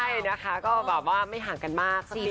ใช่นะคะก็แบบว่าไม่ห่างกันมากสักที